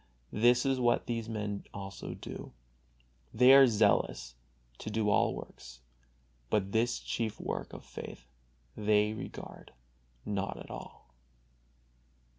This is what these men also do: they are zealous to do all works, but this chief work of faith they regard not at all.